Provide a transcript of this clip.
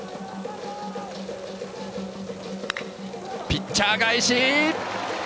ピッチャー返し！